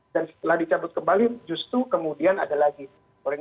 dan setelah dicabut kembali justru kemudian ada lagi goreng